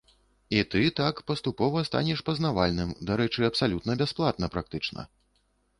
І ты так паступова станеш пазнавальным, дарэчы, абсалютна бясплатна практычна.